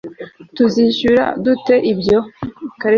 Tuzishyura dute ibyo